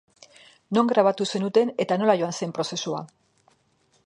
Non grabatu zenuten eta nola joan zen prozesua?